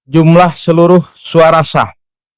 jumlah seluruh suara sah